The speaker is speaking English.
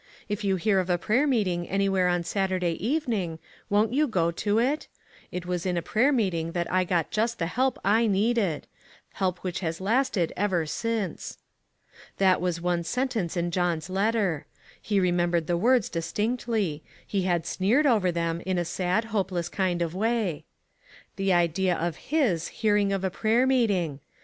If you hear of a prayer meeting anywhere on Saturday evening, won't you go to it? It was in a prayer meeting that I got just the help I needed; help which has lasted ever since." That was one sentence in John's letter. He remembered the words distinctly ; he had sneered over them, in a sad, hopeless kind of way. The idea of Ms hearing of a prayer meeting